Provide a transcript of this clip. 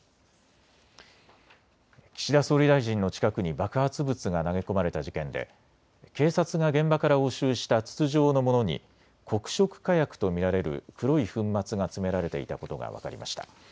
岸田総理大臣の近くに爆発物が投げ込まれた事件で警察が現場から押収した筒状のものに黒色火薬と見られる黒い粉末が詰められていたことが分かりました。